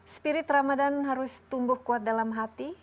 spirit ramadan harus tumbuh kuat dalam hati